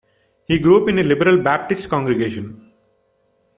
He grew up in a liberal Baptist congregation.